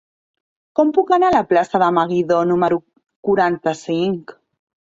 Com puc anar a la plaça de Meguidó número quaranta-cinc?